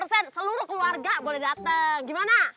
seluruh keluarga boleh datang gimana